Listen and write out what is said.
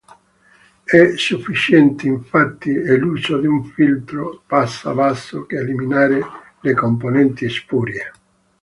È sufficiente infatti l'uso di un filtro passa basso che eliminare le componenti spurie.